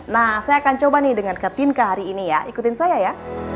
nah saya akan coba nih dengan katinka hari ini ya ikutin saya ya